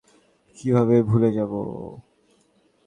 কিভাবে ভুলে যাবো?